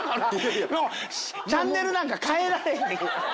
もうチャンネルなんか替えられへん。